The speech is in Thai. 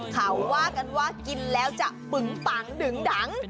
เขาว่ากันว่ากินแล้วจะปึงปังดึงดัง